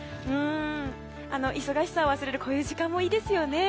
忙しさを忘れるこういう時間もいいですよね。